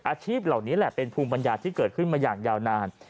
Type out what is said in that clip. อาชีพเหล่านี้แหละเป็นภูมิปัญญาที่เกิดขึ้นมาอย่างยาวนาน